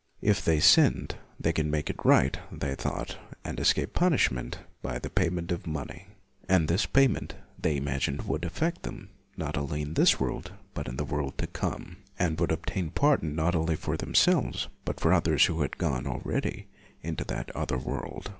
If they sinned, they could make it right, they thought, and escape punishment, by the payment of money. And this payment, they imagined, would affect them, not only in this world, but in the world to come; and would obtain pardon not only for themselves, but for others who had gone already into that other world.